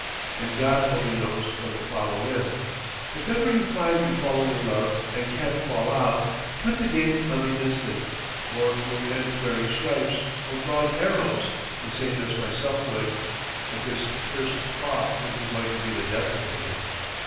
And God only knows what'll follow in. If ever you find you've fallen in love and can't fall out, cut the game on the instant, or you'll end wearing stripes or broad arrows the same as myself would, if this cursed cough wasn't going to be the death of me....